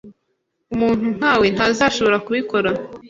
Umuntu nkawe ntazashobora kubikora.